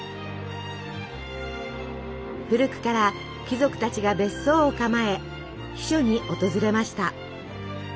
古くから貴族たちが別荘を構え避暑に訪れました。